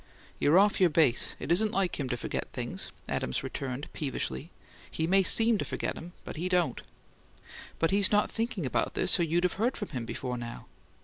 "You're off your base; it isn't like him to forget things," Adams returned, peevishly. "He may seem to forget 'em, but he don't." "But he's not thinking about this, or you'd have heard from him before now."